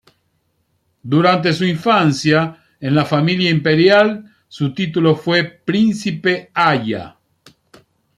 Durante su infancia en la familia imperial su título fue "Príncipe Aya".